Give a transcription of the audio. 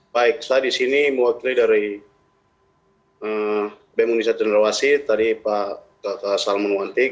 dua ribu dua puluh empat baik saya disini mewakili dari bem indonesia general asyik tadi pak salman wanti